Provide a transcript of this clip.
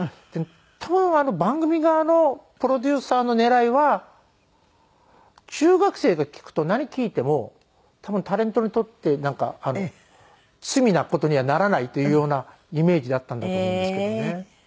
多分番組側のプロデューサーの狙いは中学生が聞くと何聞いても多分タレントにとってなんか罪な事にはならないというようなイメージだったんだと思いますけどね。